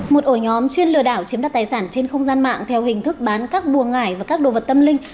một ổ nhóm chuyên lừa đảo chiếm đặt tài sản trên không gian mạng theo hình thức bán các bùa ngải và các đồ vật tâm linh